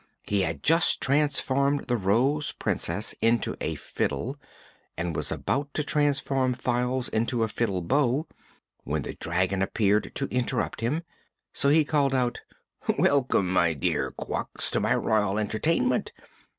He had just transformed the Rose Princess into a fiddle and was about to transform Files into a fiddle bow, when the dragon appeared to interrupt him. So he called out: "Welcome, my dear Quox, to my royal entertainment.